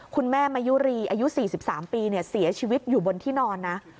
คุณแม่มายุรีอายุ๔๓ปีเสียชีวิตอยู่บนที่นอนนะ